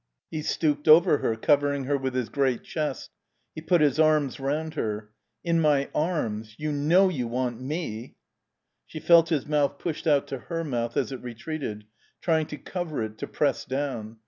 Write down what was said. He stooped over her, covering her with his great chest. He put his arms round her. "In my arms. You know you want me " She felt his mouth pushed out to her mouth as it retreated, trying to cover it, to press down.